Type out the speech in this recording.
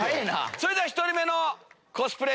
それでは１人目のコスプレ